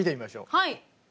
はい。